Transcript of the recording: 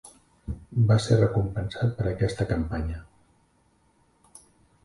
Va ser recompensat per aquesta campanya.